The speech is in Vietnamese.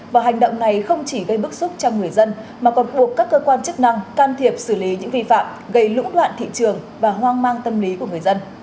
và hành động này không chỉ gây bức xúc cho người dân mà còn buộc các cơ quan chức năng can thiệp xử lý những vi phạm gây lũng đoạn thị trường và hoang mang tâm lý của người dân